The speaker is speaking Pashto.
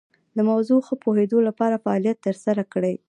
د موضوع ښه پوهیدو لپاره فعالیت تر سره کړئ.